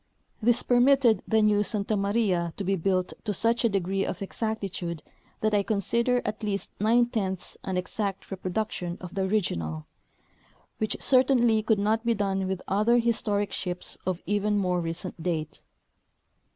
This permitted the new Santa Maria to be built to such a degree of exactitude that I consider at least nine tenths an exact reproduction of the original, which certainly could not be done Avith other historic ships of even more recent date.